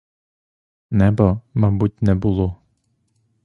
Неба, мабуть, не було.